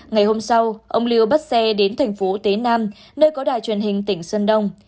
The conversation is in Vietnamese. ngày hôm sau ông lưu bắt xe đến thành phố tế nam nơi có đài truyền hình tỉnh xuân đông